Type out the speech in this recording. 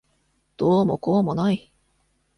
どうもこうもない。